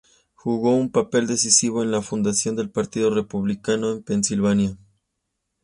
Jugó un papel decisivo en la fundación del Partido Republicano en Pennsylvania.